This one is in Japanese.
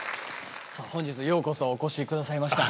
本日ようこそお越しくださいました。